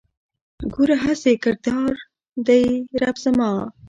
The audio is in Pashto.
ګوره هسې کردګار دی رب زما